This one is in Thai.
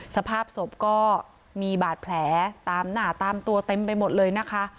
สภาพศพก็มีบาดแผลตามหน้าตามตัวเต็มไปหมดเลยนะคะ